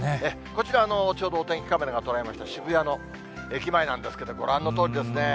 こちらお天気カメラがちょうど捉えました渋谷の駅前なんですけど、ご覧のとおりですね。